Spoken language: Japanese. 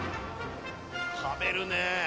食べるね！